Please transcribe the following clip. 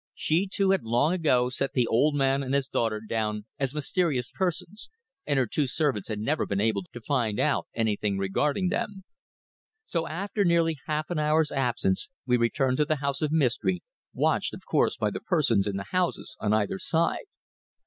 She, too, had long ago set the old man and his daughter down as mysterious persons, and her two servants had never been able to find out anything regarding them. So after nearly half an hour's absence we returned to the house of mystery, watched, of course, by the persons in the houses on either side.